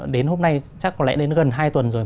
đến hôm nay chắc có lẽ đến gần hai tuần rồi